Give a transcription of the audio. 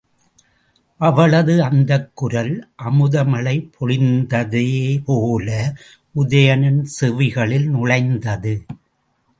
அவளது அந்தக் குரல் அமுதமழை பொழிந்ததேபோல உதயணன் செவிகளில் நுழைந்தது.